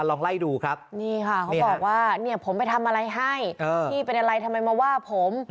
ลองไล่ดูครับนี่ค่ะเขาบอกว่าเนี่ยผมไปทำอะไรให้พี่เป็นอะไรทำไมมาว่าผม